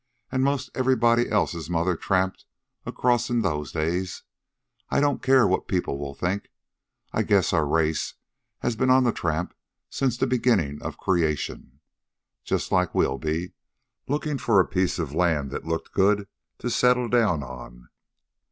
And 'most everybody else's mother tramped across in those days. I don't care what people will think. I guess our race has been on the tramp since the beginning of creation, just like we'll be, looking for a piece of land that looked good to settle down on."